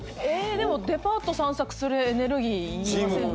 でもデパート散策するエネルギーいりませんか？